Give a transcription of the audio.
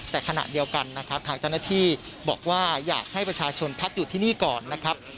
แต่ขณะเดียวกันนะครับทางเจ้าหน้าที่บอกว่าอยากให้ประชาชนพักอยู่ที่นี่ก่อนนะครับ